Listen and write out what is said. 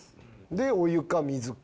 で「お湯か水か？」。